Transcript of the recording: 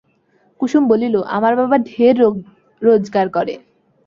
কুসুম বলিল, আমার বাবা ঢের রোগজার করে।